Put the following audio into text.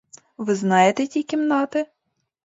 Ви знаєте ті кімнати.